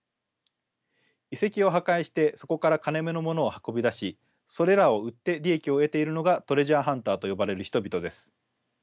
遺跡を破壊してそこから金めの物を運び出しそれらを売って利益を得ているのがトレジャーハンターと呼ばれる人々です。